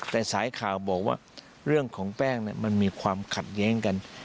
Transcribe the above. แต่สายข่าวบอกว่าเรื่องของแป้งมันมีความขัดแย้งกัน